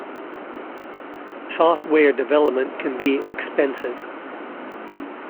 Software development can be expensive.